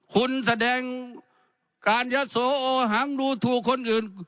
คุณแสดงการยะโสโอหังดูถูกคนอื่น